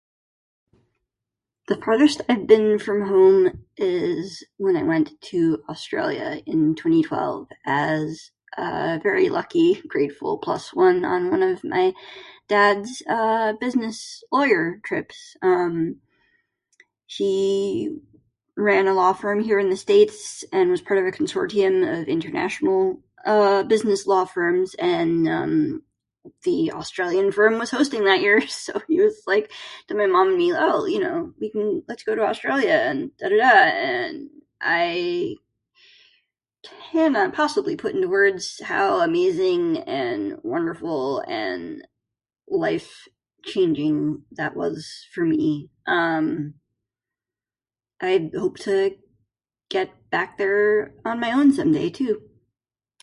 The furthest I've been from home is when I went to Australia in 2012 as a very lucky, grateful plus-one on one of my dad's uh business lawyer trips. Um. He ran a law firm here in the states and was part of a consortium of international, uh, business law firms, and, um, the Australian firm was hosting that year. So, he was like, to my mom and me, oh, you know, we can let you go to Australia and da da da and I cannot possibly put into words how amazing and wonderful and life changing that was for me. Um, I hope to get back there on my own someday, too.